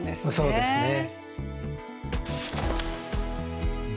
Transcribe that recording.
そうですね。